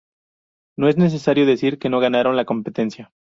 No es necesario decir que no ganaron la competencia.